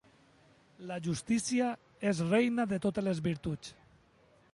La justícia és reina de totes les virtuts.